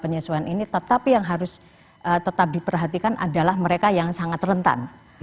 penyesuaian ini tetapi yang harus tetap diperhatikan adalah mereka yang sangat rentan